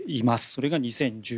それが２０１６年。